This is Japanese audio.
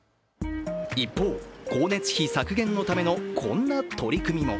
一方、光熱費削減のためのこんな取り組みも。